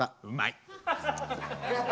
うまい。